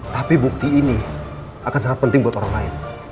tapi bukti ini akan sangat penting buat orang lain